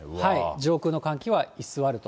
上空の寒気は居座ると。